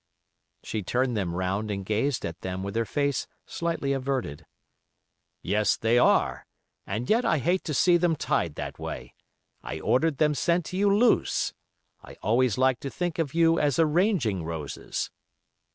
She turned them round and gazed at them with her face slightly averted. "Yes, they are, and yet I hate to see them tied that way; I ordered them sent to you loose. I always like to think of you as arranging roses."